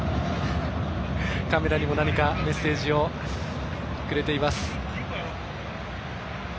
カメラにも何かメッセージをくれています。